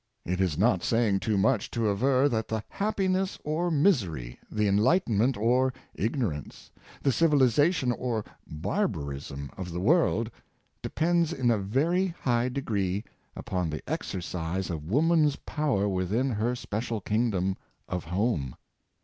It is not saying too much to aver that the happiness or misery, the enlightenment or ignorance, the civiliza Boyhood of St, Augustine, 95 tion or barbarism of the world, depends in a very high degree upon the exercise of woman's power within her special kingdom of home.